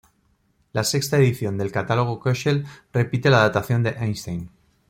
La sexta edición del catálogo Köchel repite la datación de Einstein.